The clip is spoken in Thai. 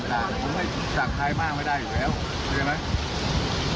ผมไม่จัดคลายมากไม่ได้อยู่แล้วเห็นไหม